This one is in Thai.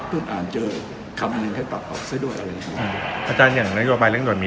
พึ่งอ่านเจอคำอันนึงค่อยปรับอะซ้ายด่วนพี่